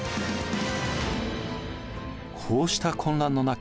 こうした混乱の中